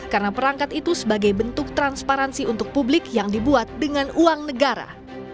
karena perangkat itu sebagai bentuk transparansi untuk publik yang dibuat dengan uang negara